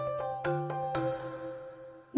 何？